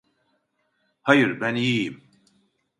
Hayır, ben iyiyim.